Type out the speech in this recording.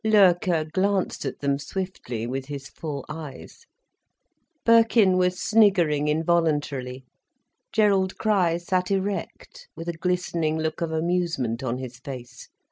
Loerke glanced at them swiftly, with his full eyes. Birkin was sniggering involuntarily. Gerald Crich sat erect, with a glistening look of amusement on his face.